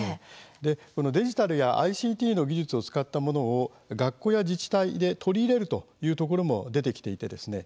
デジタルやＩＣＴの技術を使ったものを学校や自治体で取り入れるというところも出てきていてですね